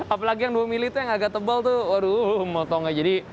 apalagi yang dua mili itu yang agak tebal tuh waduh mau tau nggak jadi